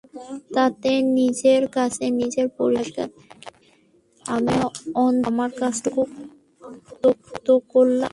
তাতে নিজের কাছে নিজে পরিষ্কার থাকি, আমি অন্তত আমার কাজটুকু তো করলাম।